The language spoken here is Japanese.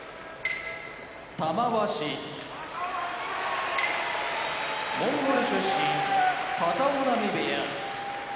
玉鷲モンゴル出身片男波部屋